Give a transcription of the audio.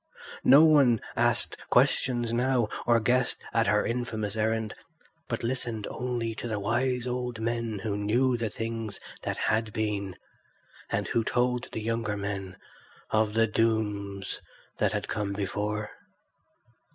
No one asked questions now or guessed at her infamous errand, but listened only to the wise old men who knew the things that had been, and who told the younger men of the dooms that had come before.